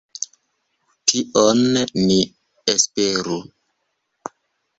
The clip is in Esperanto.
Tion ni esperu.